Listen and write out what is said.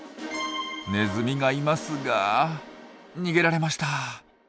ネズミがいますが逃げられました。